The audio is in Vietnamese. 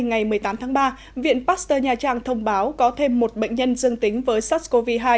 ngày một mươi tám tháng ba viện pasteur nha trang thông báo có thêm một bệnh nhân dương tính với sars cov hai